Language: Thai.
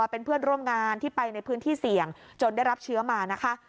เป็นเพื่อนร่วมงานที่ไปในพื้นที่เสี่ยงจนได้รับเชื้อมานะคะ